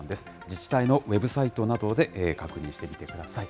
自治体のウェブサイトなどで確認してみてください。